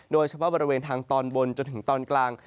โดยเฉพาะบริเวณทางตอนบนจนถึงตอนกลาง